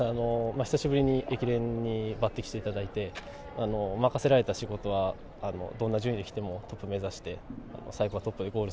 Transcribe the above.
久しぶりに駅伝に抜てきしていただいて、任せられた仕事はどんな順位できてもトップを目指して。